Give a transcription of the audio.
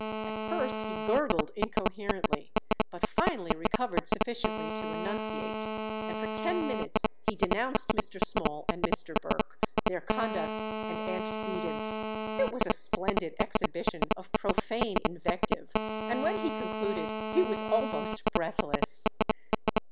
At first he gurgled incoherently, but finally recovered sufficiently to enunciate; and for ten minutes he denounced Mr. Small and Mr. Burke, their conduct and antecedents. It was a splendid exhibition of profane invective, and when he concluded he was almost breathless.